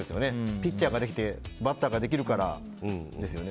ピッチャーができてバッターができるからですよね。